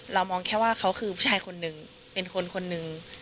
เรามองแค่ว่าเขาคือผู้ชายคนหนึ่งเป็นคนคนหนึ่ง